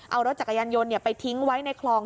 เอารถจักรยานยนต์ไปทิ้งไว้ในคลอง